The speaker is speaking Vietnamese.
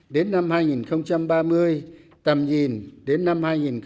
đến năm hai nghìn ba mươi tầm nhìn đến năm hai nghìn bốn mươi năm